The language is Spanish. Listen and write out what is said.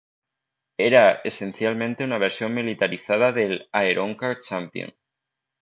Era esencialmente una versión militarizada del Aeronca Champion.